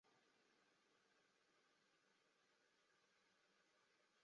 关于社会现实的创造是一个持续不断的过程始终贯穿于他的着作之中。